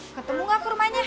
ketemu gak aku rumahnya